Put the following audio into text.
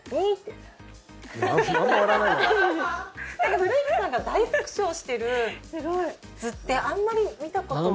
古市さんが大爆笑してる図ってあんまり見たことない。